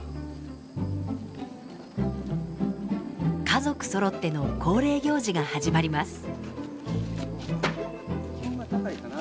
家族そろっての恒例行事が始まります。